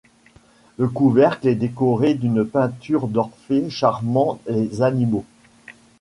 Le couvercle est décoré d'une peinture d'Orphée charmant les animaux.